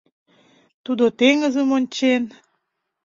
Тудо теҥызым ончен.